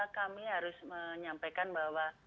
kami harus menyampaikan bahwa